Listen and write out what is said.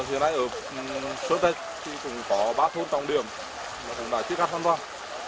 hiện nay ở sơn trạch thì cũng có ba thôn trong điểm cũng đã tiếp cận hoàn toàn